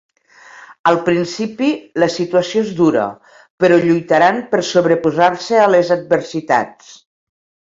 Al principi, la situació és dura, però lluitaran per sobreposar-se a les adversitats.